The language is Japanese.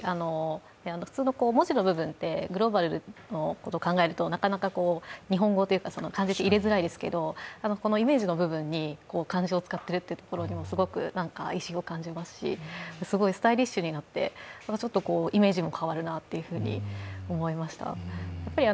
普通の文字の部分ってグローバルのことを考えるとなかなか日本語というか、漢字って入れづらいですけどイメージの部分に漢字を使っているという部分にすごく意思を感じますし、すごいスタイリッシュになってちょっとイメージも変わるなと思いました。